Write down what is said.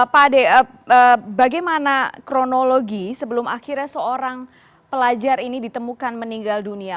pak ade bagaimana kronologi sebelum akhirnya seorang pelajar ini ditemukan meninggal dunia